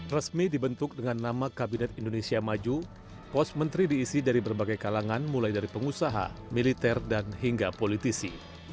resmi dibentuk dengan nama kabinet indonesia maju pos menteri diisi dari berbagai kalangan mulai dari pengusaha militer dan hingga politisi